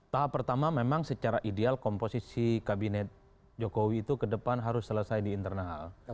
tahap pertama memang secara ideal komposisi kabinet jokowi itu ke depan harus selesai di internal